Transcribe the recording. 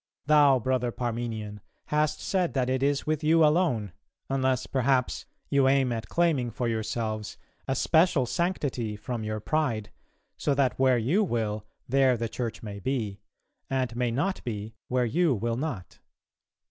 Thou, brother Parmenian, hast said that it is with you alone; unless, perhaps, you aim at claiming for yourselves a special sanctity from your pride, so that where you will, there the Church may be, and may not be, where you will not.